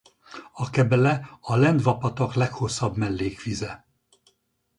A Kebele a Lendva-patak leghosszabb mellékvize.